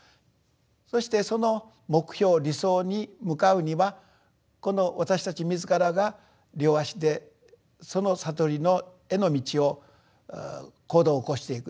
そしてその目標理想に向かうにはこの私たち自らが両足でその悟りへの道を行動を起こしていく。